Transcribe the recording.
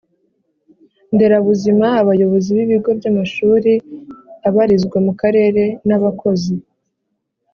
nderabuzima abayobozi b ibigo by amashuri abarizwa mu Karere n abakozi